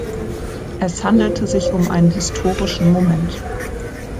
Es handelte sich um einen historischen Moment.